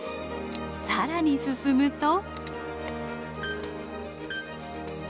更に進むと。